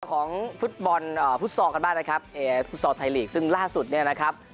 ของฟุตบอลฟุตซอลกันบ้างนะครับเอฟฟุตซอลไทยลีกซึ่งล่าสุดเนี่ยนะครับ